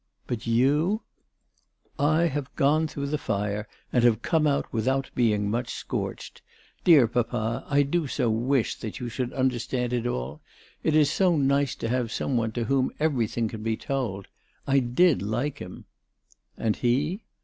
" But you ?"" I have gone through the fire, and have come out without being much scorched. Dear papa, I do so wish that you should understand it all. It is so nice ALICE DUGDALE. 405 to have some one to whom everything can be told. I did like him." "And he?"